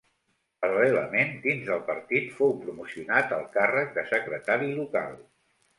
Paral·lelament, dins del partit fou promocionat al càrrec de secretari local.